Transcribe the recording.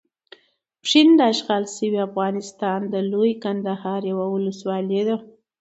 پشین داشغال شوي افغانستان د لويې کندهار یوه ولسوالۍ ده.